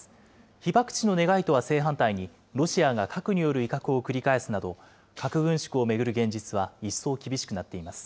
被爆地の願いとは正反対に、ロシアが核による威嚇を繰り返すなど、核軍縮を巡る現実は一層厳しくなっています。